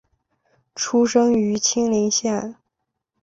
出身于青森县。